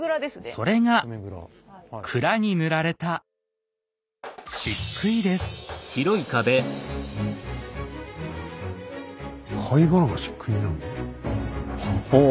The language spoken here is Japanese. それが蔵に塗られた貝殻がしっくいになるの？